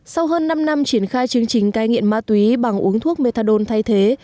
sau hơn năm năm triển khai chương trình cai nghiện ma túy bằng uống thuốc methadon thay thế